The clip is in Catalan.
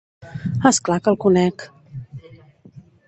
És clar que el conec!